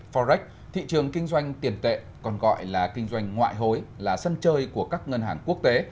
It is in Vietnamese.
forex thị trường kinh doanh tiền tệ còn gọi là kinh doanh ngoại hối là sân chơi của các ngân hàng quốc tế